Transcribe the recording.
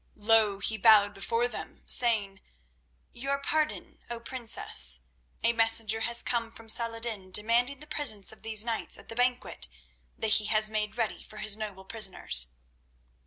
Low he bowed before them, saying: "Your pardon, O Princess. A messenger has come from Salah ed din demanding the presence of these knights at the banquet that he has made ready for his noble prisoners."